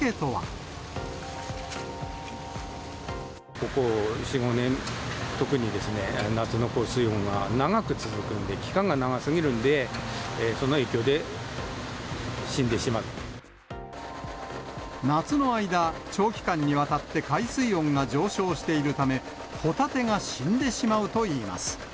ここ４、５年、特に夏の高水温が長く続くんで、期間が長すぎるんで、夏の間、長期間にわたって海水温が上昇しているため、ホタテが死んでしまうといいます。